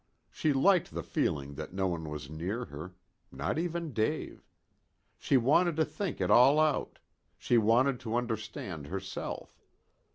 She liked the feeling that no one was near her not even Dave. She wanted to think it all out. She wanted to understand herself.